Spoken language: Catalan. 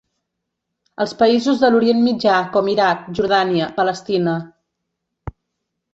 Als països de l'orient mitjà com Iraq, Jordània, Palestina.